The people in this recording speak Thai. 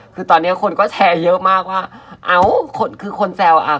คือตอนเนี้ยคนก็แชร์เยอะมากว่าเอ้าคนคือคนแซวอ่ะ